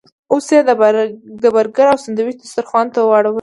اوس یې د برګر او ساندویچ دسترخوان ته واړولو.